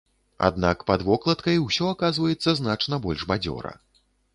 Аднак, пад вокладкай усё аказваецца значна больш бадзёра.